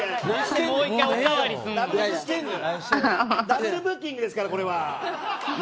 ダブルブッキングですからこれは。